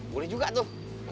boleh juga tuh